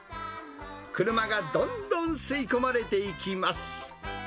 車がどんどん吸い込まれていきます。